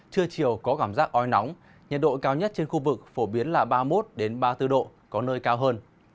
trưa chiều có cảm giác oi nóng nhiệt độ cao nhất trên khu vực phổ biến là ba mươi một ba mươi bốn độ có nơi cao hơn